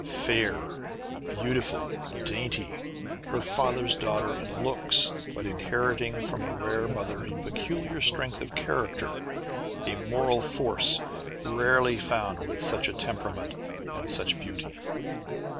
Fair, beautiful, dainty, her father's daughter in looks, but inheriting from a rare mother a peculiar strength of character, a moral force rarely found with such a temperament and such beauty.